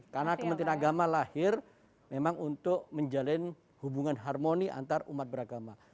karena kementerian agama lahir memang untuk menjalin hubungan harmoni antar umat beragama